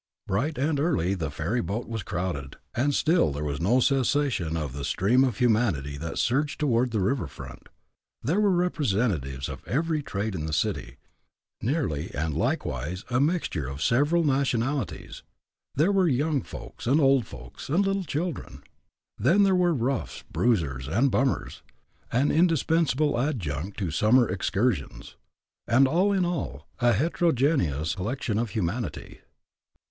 Bright and early the ferry boat was crowded and still there was no cessation of the stream of humanity that surged toward the river front. There were representatives of every trade in the city, nearly, and likewise a mixture of several nationalities; there were young folks and old folks and little children; then there were roughs, bruisers, and bummers, an indispensable adjunct to summer excursions; and, all in all, a heterogeneous collection of humanity.